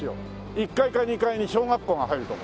１階か２階に小学校が入るとこ。